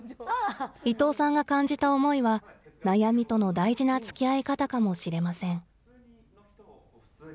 伊藤さんが感じた思いは、悩みとの大事なつきあい方かもしれません。